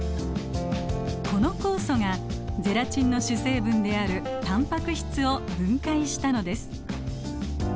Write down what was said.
この酵素がゼラチンの主成分であるタンパク質を分解したのです。